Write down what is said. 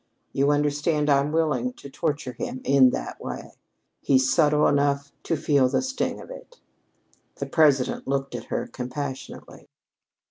You understand, I'm willing to torture him in that way. He's subtle enough to feel the sting of it." The President looked at her compassionately.